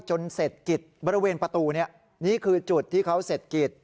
จนเสร็จกิจบริเวณประตูนี้นี่คือจุดที่เขาเสร็จกิจ